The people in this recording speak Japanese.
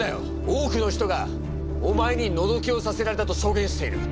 多くの人がお前にのぞきをさせられたと証言している。